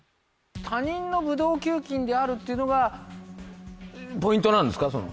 他人のブドウ球菌であるっていうのがポイントなんですか？